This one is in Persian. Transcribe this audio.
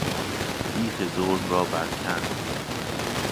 بیخ ظلم را برکند